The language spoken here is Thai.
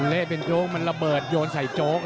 เละเป็นโจ๊กมันระเบิดโยนใส่โจ๊ก